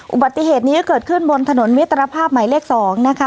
อุบัติเหตุนี้เกิดขึ้นบนถนนมิตรภาพหมายเลข๒นะคะ